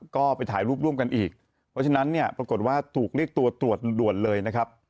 ก็ไปถ่ายรูปร่วมกันอีกเพราะฉะนั้นเนี่ยปรากฏว่าถูกเรียกตัวตรวจด่วนเลยนะครับ